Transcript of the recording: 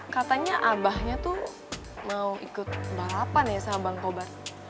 katanya abahnya tuh mau ikut balapan ya sama bang tobat